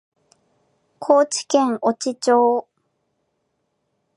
高知県越知町